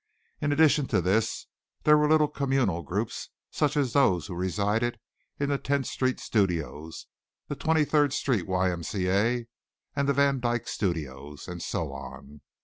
In addition to this there were little communal groups such as those who resided in the Tenth Street studios; the Twenty third Street Y. M. C. A.; the Van Dyck studios, and so on.